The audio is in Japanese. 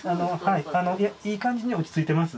いやいい感じに落ち着いてます。